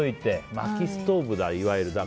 まきストーブだ、いわゆる。